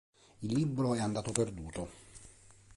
Il libro è andato perduto.